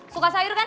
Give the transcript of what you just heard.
suka sayur kan